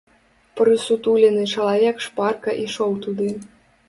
Прысутулены чалавек шпарка ішоў туды.